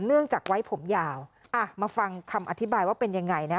เนื่องจากไว้ผมยาวอ่ะมาฟังคำอธิบายว่าเป็นยังไงนะ